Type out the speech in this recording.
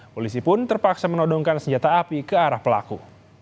polisi pun terpaksa menodongkan senjata api ke arah pelaku